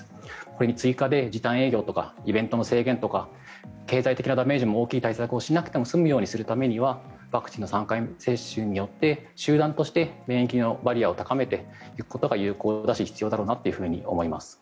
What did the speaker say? これに追加で時短営業とかイベントの制限とか経済的なダメージが大きい対策をしなくても済むようにするにはワクチンの３回接種によって集団として免疫のバリアを高めていくことが有効だし必要だろうなと思います。